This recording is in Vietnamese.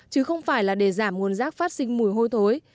chứ không phải là để giảm nguồn rác phát sinh mùi hôi thối